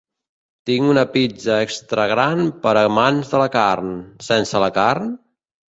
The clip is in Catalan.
Tinc una pizza extragran per a amants de la carn... sense la carn?